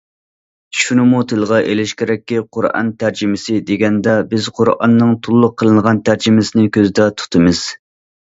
شۇنىمۇ تىلغا ئېلىش كېرەككى، قۇرئان تەرجىمىسى دېگەندە بىز قۇرئاننىڭ تولۇق قىلىنغان تەرجىمىسىنى كۆزدە تۇتىمىز.